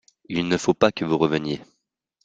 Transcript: Il ne faut pas que vous reveniez.